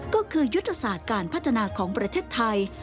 ก็คือยุทธศาสตร์การพัฒนาของประเทศไทย